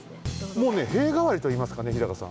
もうねへいがわりといいますかね日高さん。